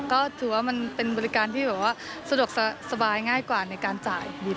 ก็ถือว่ามันเป็นบริการที่แบบว่าสะดวกสบายง่ายกว่าในการจ่าย